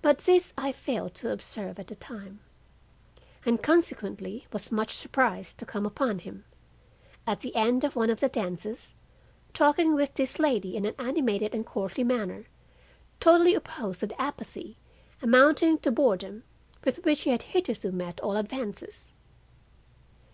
But this I failed to observe at the time, and consequently was much surprised to come upon him, at the end of one of the dances, talking With this lady in an animated and courtly manner totally opposed to the apathy, amounting to boredom, with which he had hitherto met all advances.